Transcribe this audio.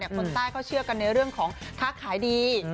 คนใต้เขาเชื่อกันในเรื่องของค้าขายดี